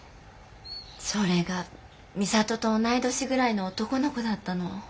それが美里と同い年ぐらいの男の子だったの。